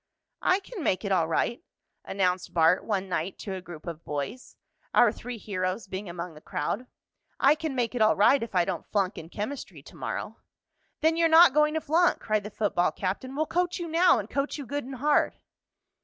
"I can make it all right," announced Bart one night to a group of boys, our three heroes being among the crowd. "I can make it all right if I don't flunk in chemistry to morrow." "Then you're not going to flunk!" cried the football captain. "We'll coach you now, and coach you good and hard."